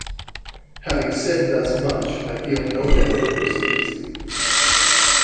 Having said thus much, I feel no doubt of your secrecy.